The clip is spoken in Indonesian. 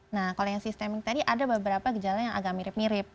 nah kalau yang sistemik tadi ada beberapa gejala yang agak mirip mirip